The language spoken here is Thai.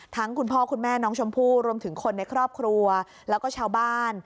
คุณพ่อคุณแม่น้องชมพู่รวมถึงคนในครอบครัวแล้วก็ชาวบ้าน